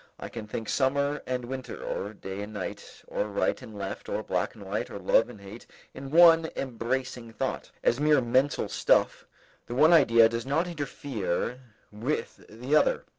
I can think summer and winter or day and night or right and left or black and white or love and hate in one embracing thought. As mere mental stuff, the one idea does not interfere with the other.